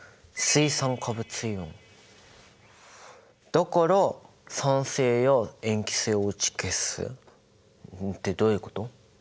だから酸性や塩基性を打ち消す。ってどういうこと？